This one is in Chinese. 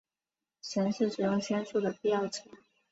神是使用仙术的必要值。